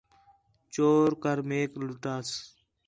چور کر میک لُٹاس